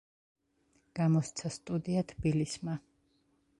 გამოსცა სტუდია „თბილისმა“.